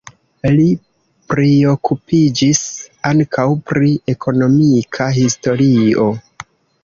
Li priokupiĝis ankaŭ pri ekonomika historio.